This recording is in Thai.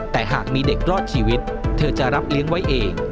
แต่หากมีเด็กรอดชีวิตเธอจะรับเลี้ยงไว้เอง